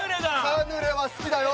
カヌレは好きだよ